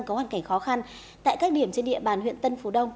có hoàn cảnh khó khăn tại các điểm trên địa bàn huyện tân phú đông